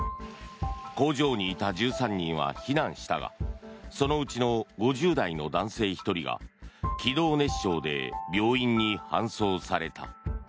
工場にいた１３人は避難したがそのうちの５０代の男性１人が気道熱傷で病院に搬送された。